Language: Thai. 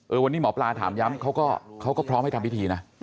วันนี้หมอปลาถามย้ำเขาก็พร้อมให้ทำพิธีนะ